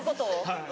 はい。